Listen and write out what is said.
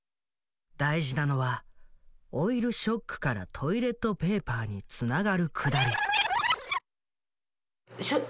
大事なのはオイルショックからトイレットペーパーにつながるくだり。